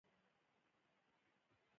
یو سل او اته شپیتمه پوښتنه آرشیف دی.